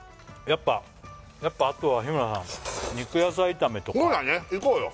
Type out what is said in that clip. やっぱあとは日村さん肉野菜炒めとかそうだねいこうよ